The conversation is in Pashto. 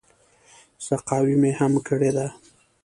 سقاوي مې هم کړې ده.